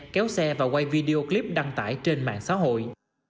kéo xe và quay video clip đăng tải trên mạng xã hội